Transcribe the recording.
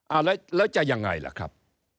แล้วจะยังไงล่ะครับ